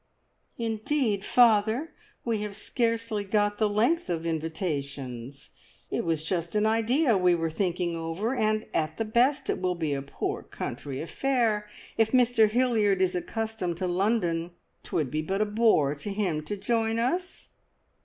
"Indeed, father, we have scarcely got the length of invitations. It was just an idea we were thinking over, and at the best it will be a poor country affair. If Mr Hilliard is accustomed to London, 'twould be but a bore to him to join us."